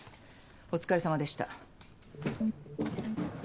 お疲れさまでした。